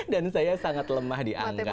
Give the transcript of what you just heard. dan saya sangat lemah di angka